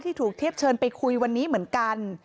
ถูกเทียบเชิญไปคุยวันนี้เหมือนกัน